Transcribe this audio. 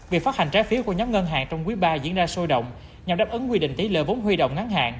việc phát hành trái phiếu của nhóm ngân hàng trong quý ba diễn ra sôi động nhằm đáp ứng quy định tỷ lệ vốn huy động ngắn hạn